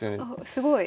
すごい。